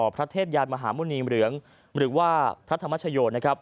พระเทพยานมหาหมู่นีเหลืองหรือว่าพระธรรมชโยชน์